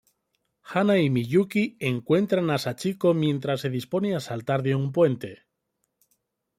Hana y Miyuki encuentran a Sachiko mientras se dispone a saltar de un puente.